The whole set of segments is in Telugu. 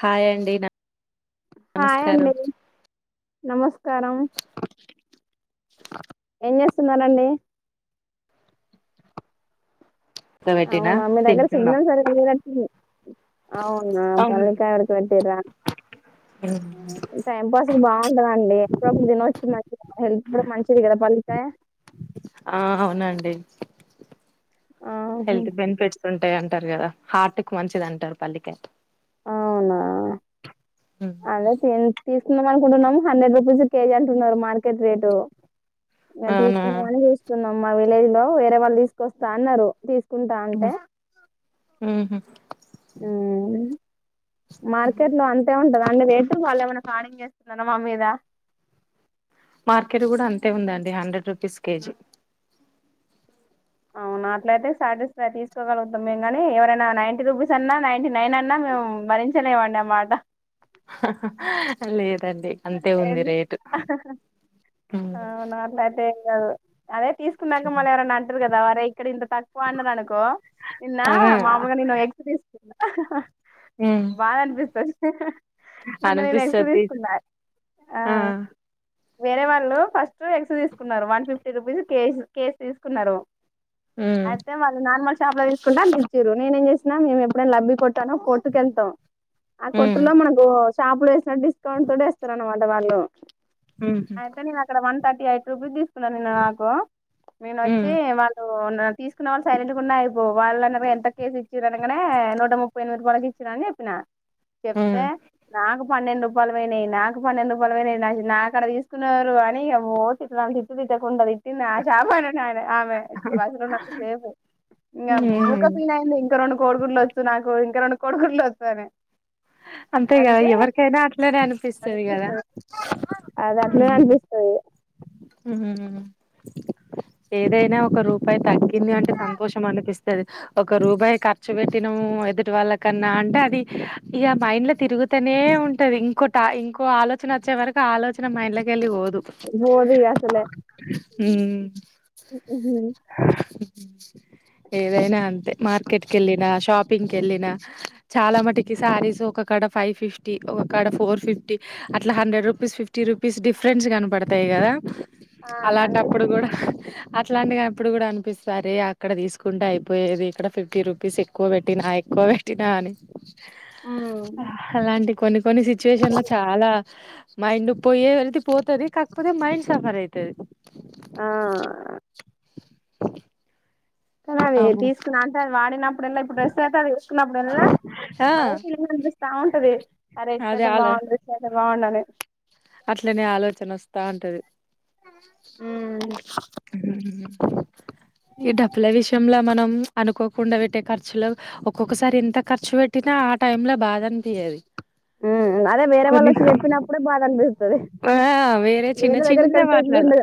హాయ్ అండి న హాయ్ నమస్కారం అండి నమస్కారం ఏం చేస్తున్నరండి పెట్టినా అవునా మీ దగ్గర తింటున్నాం సిగ్నల్ సరిగ లేన అవునా అవును పల్కాయ వడుకి వ సెరా టైం పాస్ బాగుంటందండి ఎంతప్పుడు తినొచ్చు మంచి హెల్త్ కూడా మంచిది కదా పల్ ఆ ఆ అవునండి ఆహా హెల్త్ బెనిఫిట్స్ ఉంటాయం అంటారు కదా హార్ట్కి మంచిది అంటారు పల్లికాయ్ అవునా అదే తెల్ తీసుకు అనుకుంటున్నాం హండ్రెడ్ రూపీస్ కేజీ అంటున్నారు మార్కెట్ రేటు ఇగ అవునా తీసుకుందామని చూస్తున్నాం మా విలేజ్ లో వేర వాళ్ళు తీస్కొస్తా అన్నరు తీ హు హుహు హుమ్ మార్కెట్ లో అంతే ఉంట దండి రేటు వాళ్ళు ఏమనా కానిం చేస్తున్ననా మా మీద మార్కెట్ కూడా అంతే ఉందండి హండ్రెడ్ రూపీస్ కేజీ అవునా అట్లయితే సాటిస్ఫై తీసుకోగలుగుతాం మేము ని ఎవరైనా నై రూపీస్ అన్నా నై నైన్ అన్నా మేము భరించలేవండి ఆ మాట హహహ లేదండి అంతే ఉంది ఏమి రేటు హ హ హ అవునా అట్లయితేదు అదే తీసుకున్నాక మళ్ళీ ఎవరనా అంటారు కదా వరే ఇక్కడ ఇంత తక్కువ అన్నది అనుకో నిన్న అదే మామగా నన్నను ఎగ్స్ తీసు హహహ బాద అనిపిస్తంది హహ నిన్న నేను ఎక్స్ అనిపిస్తది తీసుకున్నా ఆ వేరే వాళ్ళు ఫస్ట్ ఎక్స్ తీసుకున్నారు వన్ ఫిఫ్టీ రూపీస్ కేజ కేజ తీసుకున్నారు ఉమ్ అయితే మ నార్మల్ చపల తీసుకుంటా మీచ్చరు నేనే ఏం చేన మేము ఎప్పుడైనా లబ్బి కొట్టాో కొట్టుకుెళ్తాం ఆ ఉమ్ కొట్టు లో మనకు చేపులు వేస్త డిస్కాౌంట్ తారు అనమాట వాళ్లో ఉహు ఆయితే నవ అక్కడ వం థర్టీఐట్ రూపీస్ తీస్ నిన్న నాకు నేను ఉమ్ వచ్చి వాళ్ళు ఇ తీసుకున్న వాళ్ళు సైలెంట్ ఉన్నా ఇ వాళ్ళన ఎంత కేసు ఇచ్చారు అనగానే నూట ముప్పై ఎనిమిది రపాలకి ఇచ్చినా అని చెప్పినా ఉమ్ చెప్తే నాకు పన్నెండు ర పల్మే ననా పన్న ఎందుకు పని నా అక్కడ తీసుకున్నారు అని తిట్ తిట్టకుండా తన్న చప ఆమె బసేఫ ఇ ఉహు మూకా పీనా ఇంకా రెండు కోడుగుడ్లు వచ్చు నాకు ఇంకా రెండు కోడుగుడ్లు వచ్చాని అంతే కదా ఎవరికైనా అట్లేనే అనిపిస్తుంది దా అనిపిస్తది అది అట్లనే ఊహుం అనిపిస్తది ఏదైనా ఒక రూపాయి తగ్గి ఇంది అంటే సంతోషం అనిపిస్తుంది ఒక రూపాయి ఖర్చు పెట్టినము ఎదుటి వాళ్ళ కన్నా అంటే అది ఇక మైండ్ లో తిరుగుతనే ఉంటది ఇంకోట ఇంకో ఆలోచన వచ్చే వరకు ఆ ఆలోచన మైండ్ లోకి వెళ్ళి పోదు బోదిసే ఉమ్ ఏదైనా అంతే మార్కెట్ క వెళ్లిన షాప్ పింక్ వెళ్ళిన చాలా మటుకి శారీస్ ఒకక్కడ ఫైవ్ ఫిఫ్టీ ఒకక్కడ ఫోర్ ఫిఫ్టీ అట్లా hundred rupees fifty rupees difference కనపడత ఉంటాయ్ గదా ఆ కనిపిస్తు అలాంటప్పుడు గుడా అట్లాంటి కప్పుడు కూడా అనిపిస్తది అక్కడ తీసుకుంటే అయిపోయేది ఇక్కడ ఫిఫ్టీ రూపీస్ ఎక్కువ పెట్టినా ఎక్కువ పెట్టినా అని అలాంటి కొన్ని కొన్ని సిచ్యువేషన్ లో చాలా మైండ్ పోయేవరకు పోతది కాక్ పొతే మైండ్ సఫర్ అయితది ఆ కున్నవే అమ్మో తీసుకున్నా అంట వాడినప్పుడల్లా ఇప్పుడు [unintelligible] అంత వేస్ట్ చకున్నప్పుడు వెల్లా ఆ అద ఫి అనిపిస్తా ఉంటది అదే అరేంటే ఆలో బాగుండదుంటే బాగుండాలి అట్లనే ఆలోచన వస్తా ఉంటది అ ఈ డబ్బుల విషయంలో మనం అనుకోకుండా పెట్టే ఖర్చులో ఒక్కొక్కసారి ఎంత ఖర్చు పెట్టినా ఆ టైమ్ లో బాధ అనిపయది అదే వేరే వాళ్ళు వచ్చి చెప్పినప్పుడే బాగా అనిపిస్తుది ఆ వేరే దగ్గరికి వెళ్తే ఇట్ండదు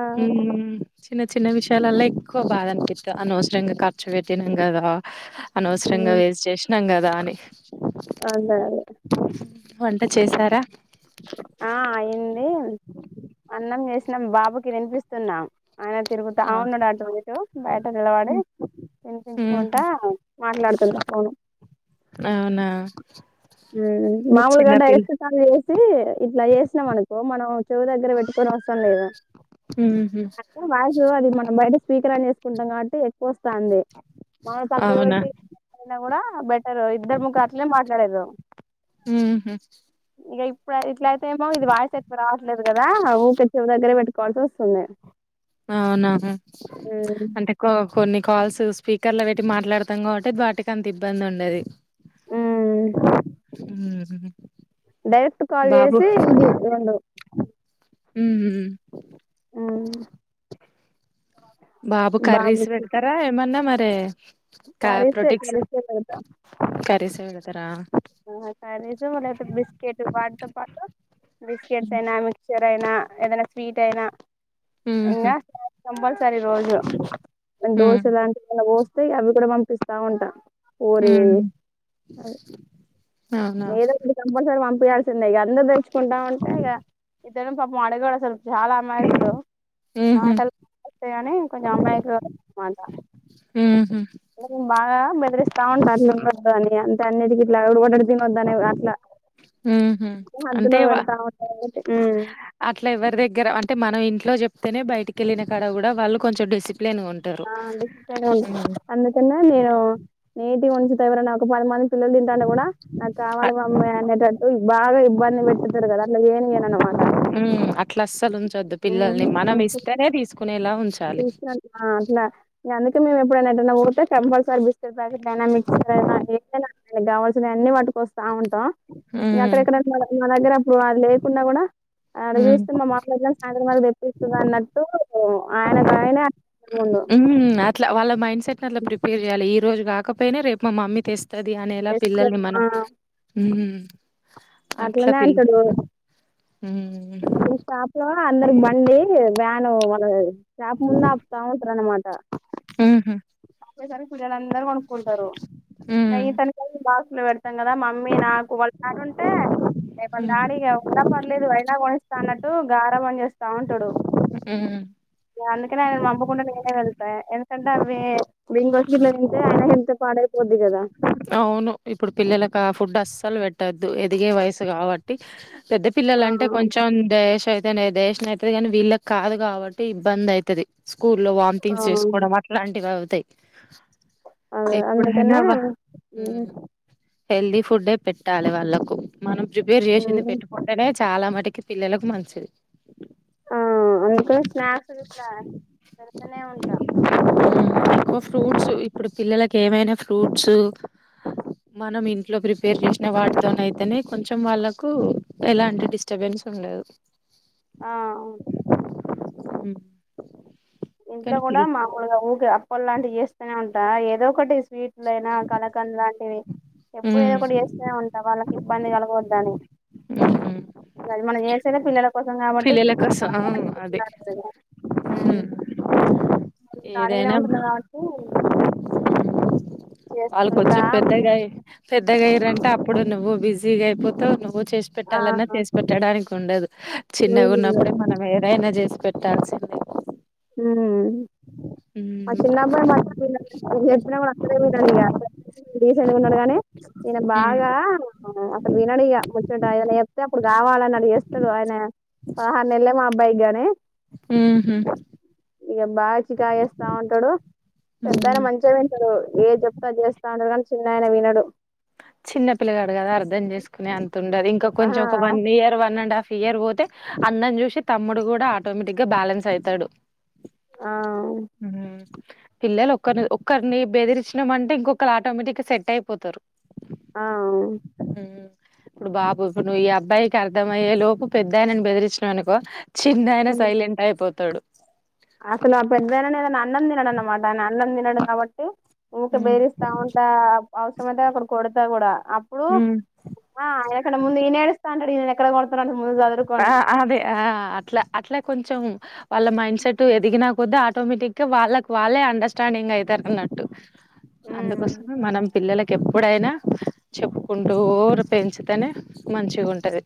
ఉ చిన్న చిన్న విషయం చాలలా ఎక్కువ బాధ అనిపిస్త అనవసరంగా ఖర్చు పెట్టినాం కదా అనవసరంగా ఉమ్ వేస్ట్ చేసినాం కదా అని అదే అదే వంట చేశారా ఆ ఇన్ అన్నం చేసి తిన్నాం బాబుకి తినిపిస్తున్న ఆయన తిరుగుతా అవునుడు అటుటు బయట నిలబడి ఉమ్ తినిపించుకుంటా మాట్లాడుతుంన్న ఫోను అవునా హ్మ్ మాములుగ చిన్నపిల్ల డైరెక్ట్ కాల్ జేయ్ [unintelligible] ఇట్ల చేసినాం అనుకో మనం చెవు దగ్గర వెట్టుకోను అవసరం లేదు ఉహు అప్పుడ [inaudible] మనం బయట స్పీకరాన్ చేసుకుంటాం కాబట్టి ఎక్కువ వస్తంది మనం పక్కకు అవునా పెట్టి కూడా బెటరు ఇద్దరు ముఖ అట్లే మాట్లాడిన్రూ మ్ హు ఇగ ఇప్పుడు ఇట్లా ఏమో ఇది వాయిస్ ఎక్కువ రావట్లేదు కదా ఊపెచ్చ దగ్గర పెట్టుకోవాల్సి వస్తుంది అవునా అంటే కొ కొన్ని కాల్స్ స్పీకర్ల పెట్టి మాట్లాడతాం కాబట్టి వాటికి అంత ఇబ్బంది ఉండది. మ్మ్ హ్మ్ డైరెక్ట్ కాల్ చేసి ఇది రొండు హ్మ్ హ్మ్ హ్మ్ బాబు కర్రీస్ బాబుకి పెడతారా ఏమన్నా మరి [unintelligible] క కర్రీసే ప్రోటిక్స్ కర్రీసే కర్రీసే పెడతరా ఆహ కర్రీసే లేకపోతె బిస్కెట్ వాటితో పాటు బిస్కెట్స్ అయినా మిక్చర్ అయినా ఏదైనా స్వీట్ అయినా ఉహు ఇంకా కంపల్సరి రోజు ఉమ్ దోశ లాంటి [unintelligible] పోస్ అవి కూడా పంపిస్తా ఉంటా పూరి హ్మ్ ఏదో ఒకటి కంపల్సరీ పం తినాల్సిందే ఇగ అందర్ తే తింటా ఉంటే ఇగ [unintelligible] అడగడు అసలు చాలా అమాయకుడు ఉహు మాటలు వస్తయని కొంచం అమాయకుడు అన్నమాట ఉహు బాగా బెదిరిస్తా ఉంటాను. అంతే అన్నిటికి ఇట్ల [unintelligible] హ్మ్ హు హద్దులో అంటే వా పెడతా ఉంటాయి కాబట్టి అట్ల ఎవరి దగ్గర అంటే మనం ఇంట్లో చెప్ తెనే బయటికెళ్ళిన కాడ గుడా వాళ్ళు కొంచెం డెసి ఆ అందుక అందుకన్నా నేను నేటి నుంచి ఎవరైనా ఒక పది మం పిల్లలు తింటాంట కూడా నాకు కావాలి మమ్మీ అనేటట్టు బాగా ఇబ్బంది పెట్తారు కదా అట్లా ఏం చేయనిను అన్నమాట హ్మ్ అట్లా అస్సలు ఉంచొద్దు పిల్లల్ని మనం ఇస్తేనే తీసుకునేలా ఉంచాలి. తీసుకున్ ఆ అట్లా అందుకే మేము ఎప్పుడైనా ఎటన పోతే కంపల్సరీ బిస్కెట్ ప్యాకెట్ అయినా మిక్చర్ అయినా ఏదైనా కావాల్సిన అన్ని పట్ వస్తా ఉంటా హ్మ్. ఎక్కడెక్కడ మా దగ్గర వాళ్ళు లేకున్నా కూడా ఆడ హ్మ్. చూసుతున్నాము [unintelligible] మల్ తెప్పిస్తుంది అన్నట్టు ఆయన ఆయన హ్మ్ అట్లా వాళ్ళ మైండ్ట్ సెట్ ని అట్లా ప్రిపేర్ చేయాలి ఎ రోజు కాకపోయినా రేపు మా మమ్మీ తెస్ తది అనేలా చేస్తారు పిల్లల్ని ఆ మనం హ్మ్ అట్లా అట్లనే పిల్ల అంటడు హ్మ్. ఆళ్ళు షాప్ ల అందరికి బండి వ్యాన్ మనది షాప్ ముందు ఆపుతా ఉంటరు అన్నమాట ట ఉహు వచ్చే సరికి పిల్లలందరూ కొను కుంటరు ఆ హ్మ్. ఇతనికి బాగా లవడి తన్నదా మమ్మీ నాకు వాల్ అట్టుంటే ఏ పల్ హ్మ్. డాడి ఉన్న పర్లేదు అయినా కొని అన్నట్టు గారాబం చేస్తా ఉంటాడు హ్మ్. ఇగ అందుకనే ఆయనను పంపు కాకుండా నేనే వెళ్తా ఎందుకంటే అవి బింగోస్ గిట్ల తింటే ఆయన హెల్త్ పాడైపోద్ది కదా అవును. ఇప్పుడు పిల్లలకి ఆ ఫుడ్ అస్సలు పెట్టొద్దు. ఎదిగే వయస్సు కావ టి పెద్ద ఆ పిల్లలంటే కొంచెం దేశ తెనే డైజేషన్ అయితది కానీ వీళ్ళకి కాదు కాబట్టి ఇబ్బంది అయితది స్కూల్లో ఆ వాంతింగ్స్ చేసుకోవడం అట్లాంటివి తై అదే ఎప్పుడైనా అందుకనే వా ఉ హెల్దీ ఫుడే పెట్టాలే వాళ్ళకు మనం ప్రిపేర్ చేసింది పెట్టుకుంటనే చాలా మటుకి పిల్లలకు మంచిది ఆ అందుకని స్నాక్స్ గిట్ల పెడతనే ఉంటా ఫ్రూట్స్ ఇప్పుడు పిల్లలకు ఏమైనా ఫ్రూట్స్ మనం ఇంట్లో ప్రిపేర్ చేసిన వాటితోనీ అయితనే కొంచెం వాళ్ళకు ఎలాంటి డిస్టర్బెన్స్ ఉండదు ఆ ఇంట్లో కానీ కూడా పిల్ మాముూలుగా ఊకే పల్ లాంటి చేస్తనే ఉంటా ఏదో ఒకటి స్విట్లయినా కలకండు లాంటివి ఎప్పుడు ఏదో ఉమ్ ఒకటి చేస్తనే ఉంటా వాళ్ళకి ఇబ్బంది కల్గొద్దని ఉమ్ మరి మనం చేసేదే పిల్లల కోసం కాబట్టి పిల్లల కోసం ఆ బాగా అదే ఉండాలి ఉమ్ కాలిగనే ఉంటున్న కాబట్టి వాళ్ళు చేస్తుంటా కొంచెం పెద్దగై, పెద్దగా అయిన్ రంటే అప్పుడు నువ్వు బిజీగా అయిపోతావు నువ్వు చేసి ఆ పెట్టాలన్నా చేసి పెట్టడానికు ఉండదు చిన్నగా వీళ్ళు ఉన్నప్పుడే మనం ఎదైనా జెసి పెట్టాల్సిందే హుమ్ ఉమ్. మా చిన్న అబ్బాయి మాత్రం వినాడు నేను చెప్పినా వాడు అసలే వినడు ఇగా [inaudible] ఉన్నాడు గాని ఈయన ఉమ్. బాగా అసలు వినడు ఇగా దయన్నే చెప్తే అప్పుడు రావాలని అడిగేస్తాడు ఆయన పదహారు నెల్లే మా అబ్బాయి గాని ఉ ఉహు ఇక బాగా చికా చేస్తా ఉంటాడు, పెద్దయన ఉమ్. మంచిగా వింటాడు ఏ చెప్తా అది చేస్ తాండ్రగా చిన్న ఆయన వినడు చిన్న పిల్గాడు కదా, అర్ధం చేసుకుని అంత ఉండదు ఇంకా ఆ కొంచెం ఒక one year one and half year పోతే, అన్ననీ చూసి తమ్ముడు కూడా ఆటోమేటిక్ గా బ్యాలెన్స్ అయితడు ఆ పిల్లలు ఒకరు ఒక్కరిని బెదిరించినమంటే ఇంకొకల్లు ఆటోమేటిక్ గా సెట్ అయిపోతారు ఆ ఆ ఉమ్ ఇప్పుడు బాబు ఇప్పుడు నువ్వు ఈ అబ్బాయికి అర్థమయ్యే లోపు పెద్దాయనని బెదిరించినవు అనుకో, చిన్నయినా ఉమ్. సైలెంట్ అయిపో తడు అసలు ఆ పెద్దయానానే ఏదైనా అన్నం దినడున్నమాట ఆయన అన్నం దినడు కాబట్టి ఉక హ్మ్ బేరిస్తా ఉంటా అవసరం అయితే ఒకటి కొడతా గుడా అప్పుడు హ్మ్ ఆ ఆయనకన్న ముందు వినేస్ తాండు ఇననీ ఎక్కడ కొడుతనానో ఆ అదే ఆ అట్ల అట్లా కొంచెం వాళ్ళ మైండ్ సెట్ ఎదిగిన కొద్ది ఆటోమేటిక్ గా వాళ్ళక్ వాళ్ళే అండర్స్టాండింగ్ అయితారు అన్నట్టు అందుకోసమే మనం పిల్లలక్ ఎప్పుడైనా చెప్పుకుంటూరు పెంచితేనే మంచిగా ఉంటది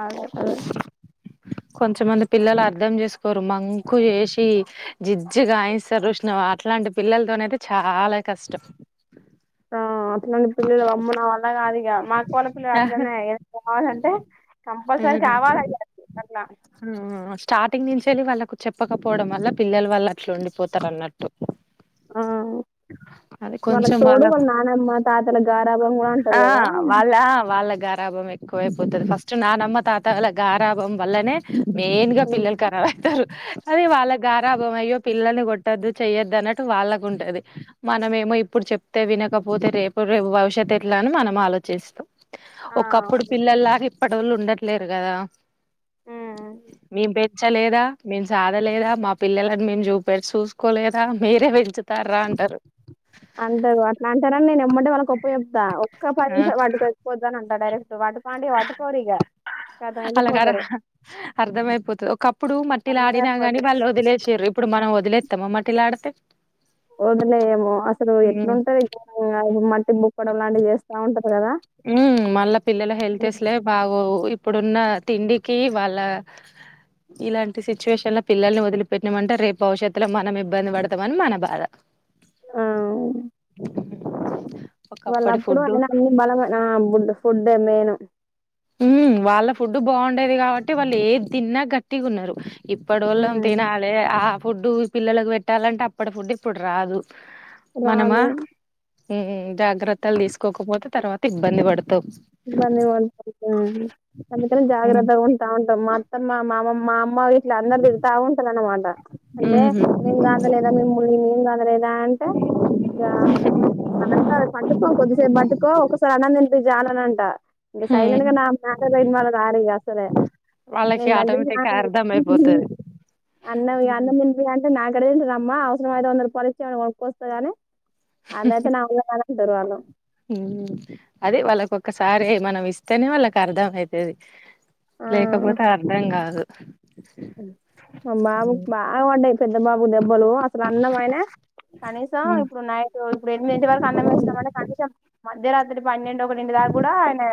అదే [inaudible] కొంచమంది పిల్లలు అర్ధం చేసుకోరు మంకు చేసి జిజ్జిగాయిస్తారు జుష్ణవ అట్లాంటి పిల్లలతోనయితే చాలా కష్టం నా పిల్లలు అమ్మో నావళ్ళ కాదిక మా పలపులు అట్లనే ఏ కావాలంటే కంపల్సరీ కావాలి అట్లా మ్ స్టార్టింగ్ నుంచి వెళ్ళి వాళ్ళకు చెప్పకపోవడం వల్ల పిల్లలు వాళ్ళు అట్లు ఉండిపోతారు అన్నట్టు ఆ అది వాళ్ళకి కొంచెం తోడు వాళ్ళ నానమ్మ తాతల గారాబం కూడ అంటారు ఆ కదా వాళ్ళ వాళ్ళ గారాభం ఎక్కువైపోతది ఫస్ట్ నానమ్మ తాతల గారాభం వల్లనే మెయిన్ గా పిల్లలు ఖరాబు అయితారు అది వాళ్ళ గారాబ్ గ అయ్యో పిల్లల్ని కొట్టొద్దు చెయ్యద్దు అన్నటు వాళ్ళకు ఉంటది. మనము ఏమో ఇప్పుడు చెప్తే వినకపోతే రేపు రేపు భవిష్యత్ ఎట్లా అని మనం ఆలోచిస్తాం. ఆ ఒకప్పుడు పిల్లల్లాగా ఇప్పటోళ్లు ఉండట్లేరు కదా. ఉమ్ మేం పే చ్చలేదా మేము సాధలేదా మా పిల్లని మేము చూపట్ చూసుకోలేదా మీరే పెంచుతార్రా అంటారు అట్లాంటారనే నేను ఎమ్మటే కొప్ప జొప్తా ఒక పది నిమిషాలు పట్టుకోచ్చి పోత అంటా డైరెక్ట్ వా అలాగ వెళ్ళిపోతారు అర్థమయిపోతుంది ఒకప్పుడు మట్టిలా ఆడినా అందరూ కగాని వాళ్ళు వదిలేసిరు ఇప్పుడు మనం వదిలేత్తామ మట్టిలా ఆడితే వదిలేయము అసలు ఉమ్ ఎట్లుంటారు మట్టి బుక్కడం లాంటివి చేస్తా ఉంటారు కదా హ్మ్ మళ్ళా పిల్లల హెల్త్ అసలే బాగోవు ఇప్పుడున్న తిండికి వాళ్ళ ఇలాంటి సిచ్యువేషన్ లో పిల్లల్ని వదిలిపెట్టిమంటే రేపు భవిష్యత్తులో మనం ఇబ్బంది పడతామని మన బాధ ఆ వాళ్ళ ఒకప్పటి అప్పుడు ఫుడ్డు అయన అన్ని బలం నా ఫుడ్ మేను ఉ వాళ్ళ ఫుడ్డు బాగుండేది కాబట్టి అంటే వాళ్ళు ఏ తదిన్నా గట్టిగా ఉన్నారు ఇప్పుడు వళ్ళ హ్మ్ తినాలి ఆ ఫుడ్ పిల్లలకు పెట్టాలంటే అప్పటి ఫుడ్ ఇప్పుడు రాదు రాదు మ్ జాగ్రత్తలు తీసుకోకపోతే తర్వాత ఇబ్బంది పడతావు ఇబ్బంది పెడతాం మ్ అందుకనీ హ్మ్. జాగ్రత్త ఉంటా ఉంటా మ [unintelligible] ఇట్లా అందరు తిడతా ఉంటారు అనమాట అంటే హుహు. మేం కానాలేదా మే ముళ్ళ మేం కానాలేదా అంటే ఇ అంత పట్టుకో కొద్దిసేపు పట్టుకో ఒకసారి అన్నము తినిపి జా అనంట ఇంకా హ్మ్. హ్మ్. సైలెంట్గా నా వాళ్ళ కార అసలే వాళ్ళకి నేను తండ్రి ఆటోమేటిక్‌గా అర్థమైపోతది. అన్న హ్మ్. అన్నం తినిపోయి అంటే నా దేనికమ్మ అవసరం అయితే వంద రూపాయలు ఇచి ఏమైనా కొన్నుకొస్త కానీ అలాయితే నా వల్ల టారు వాళ్ళు మ్మ్ అదే వాళ్ళకొకసారి మనం ఇస్తేనే వాళ్ళకి అర్ధం అయితది లేకపోతే అర్ధం కాదు అ మా బాబు కి బాగా పడ్డాయి పెద్ద బాబు దెబ్బలు అసలు అన్నం అయినా కనీసం హ్మ్. ఇప్పుడు నైట్ ఇప్పుడు ఎనిమిదింటి వరకు అన్నం వేసినం అంటే కనీసం మధ్యరాత్రి పన్నెండు ఒకటింటి దాకా కూడా ఆయనే